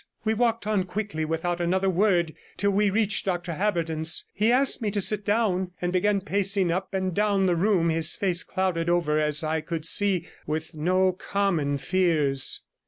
We walked on quickly without another word till we reached Dr Haberden's. He asked me to sit down, and began pacing up and down the room, his face clouded over, as I could see, with no common fears.